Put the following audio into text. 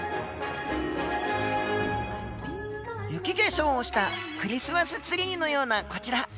雪化粧をしたクリスマスツリーのようなこちら。